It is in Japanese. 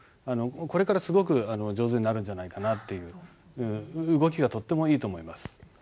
これからすごく上手になるんじゃないかなっていう動きがとってもいいと思います。